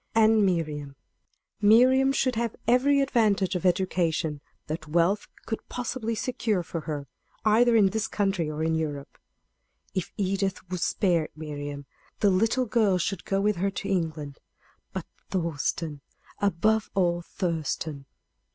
And Miriam Miriam should have every advantage of education that wealth could possibly secure for her, either in this country or in Europe. If Edith would spare Miriam, the little girl should go with her to England. But Thurston above all, Thurston!